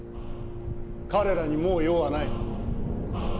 彼らにもう用はない。